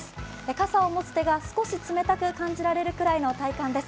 傘を持つ手が少し冷たく感じられるくらいの体感です。